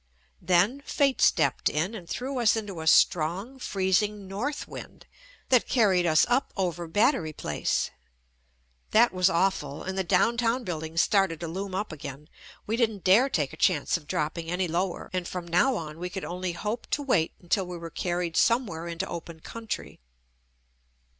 Then fate stepped in and threw us into a strong freezing north wind that carried us up over Battery Place. That was awful, and the down town buildings started to loom up again. We JUST ME didn't dare take a chance of dropping any low er and from now on we could only hope to wait until we were carried somewhere into open country.